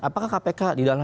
apakah kpk di dalamnya